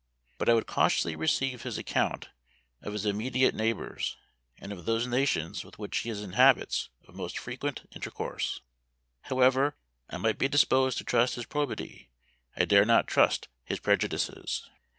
But I would cautiously receive his account of his immediate neighbors, and of those nations with which he is in habits of most frequent intercourse. However I might be disposed to trust his probity, I dare not trust his prejudices.